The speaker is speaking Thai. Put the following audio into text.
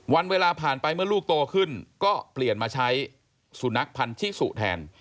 วันเวลาผ่านไปเมื่อลูกโตขึ้นก็เปลี่ยนมาใช้สุนัขพันธิสุแทน